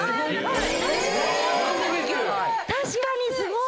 確かにすごい！